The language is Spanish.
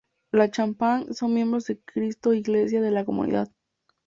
Los Chapman son miembros de Cristo Iglesia de la Comunidad.